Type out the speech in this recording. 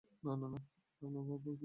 না, না, ওটা আপনার বাবার বিভাগ।